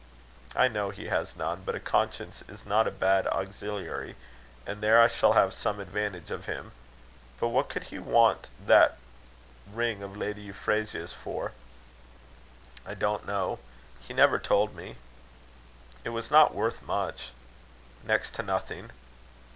"I know he has none; but a conscience is not a bad auxiliary, and there I shall have some advantage of him. But what could he want that ring of Lady Euphrasia's for?" "I don't know. He never told me." "It was not worth much." "Next to nothing."